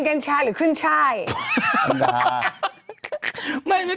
กันชาอยู่ในนี้